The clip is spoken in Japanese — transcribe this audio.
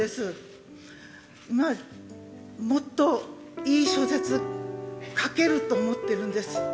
今もっといい小説書けると思ってるんです。